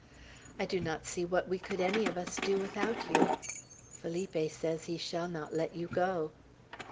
"I do not see what we could any of us do without you. Felipe says he shall not let you go."